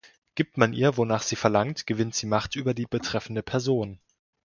Gibt man ihr, wonach sie verlangt, gewinnt sie Macht über die betreffende Person.